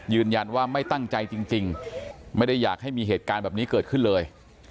ยืนยันว่าไม่ตั้งใจจริงไม่ได้อยากให้มีเหตุการณ์แบบนี้เกิดขึ้นเลย